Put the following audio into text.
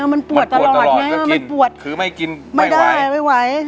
มันปวดตลอดไงไม่ปวดคือไม่กินไม่ได้ไม่ไหว